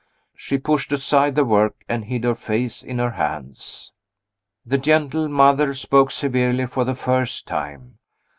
She pushed aside the work and hid her face in her hands. The gentle mother spoke severely for the first time.